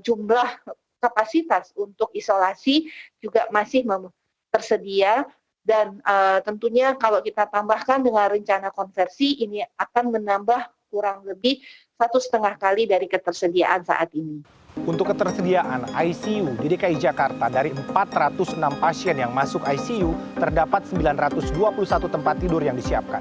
untuk ketersediaan icu di dki jakarta dari empat ratus enam pasien yang masuk icu terdapat sembilan ratus dua puluh satu tempat tidur yang disiapkan